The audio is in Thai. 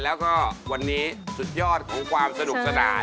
แล้วก็วันนี้สุดยอดของความสนุกสนาน